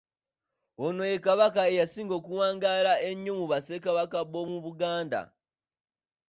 Ono ye Kabaka eyasinga okuwangaala ennyo mu Bassekabaka b'omu Buganda.